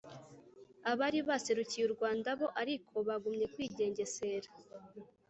abari baserukiye u rwanda bo ariko bagumya kwigengesera,